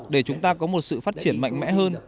để chúng ta có một sự phát triển mạnh mẽ hơn